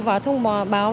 và thông báo